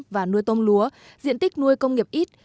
và nuôi tôm lúa diện tích nuôi công nghiệp ít